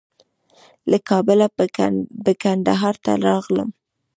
له کابله به کندهار ته راغلم.